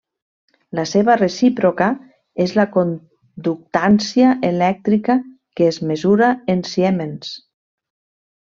La seva recíproca és la conductància elèctrica que es mesura en siemens.